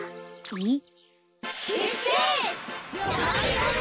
えっ？